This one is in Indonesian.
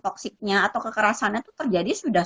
toksiknya atau kekerasannya itu terjadi sudah